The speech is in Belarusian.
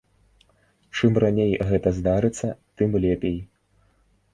Чым раней гэта здарыцца, тым лепей.